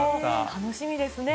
楽しみですね。